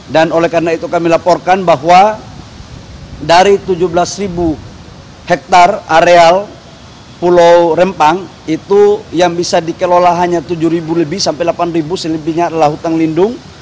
dan oleh karena itu kami laporkan bahwa dari tujuh belas hektare areal pulau rempang itu yang bisa dikelola hanya tujuh lebih sampai delapan selebihnya adalah hutang lindung